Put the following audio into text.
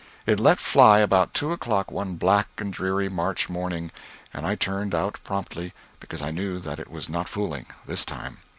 It let fly about two o'clock one black and dreary March morning, and I turned out promptly, because I knew that it was not fooling, this time.